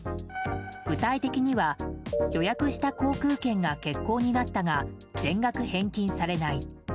具体的には、予約した航空券が欠航になったが全額返金されない。